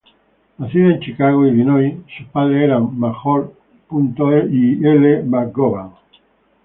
Nacida en Chicago, Illinois, sus padres eran Major y L. McGowan.